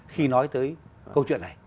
khi nói tới câu chuyện này